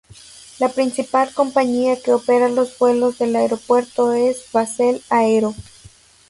La principal compañía que opera los vuelos del aeropuerto es Basel Aero.